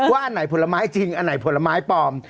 อันไหนผลไม้จริงอันไหนผลไม้ปลอม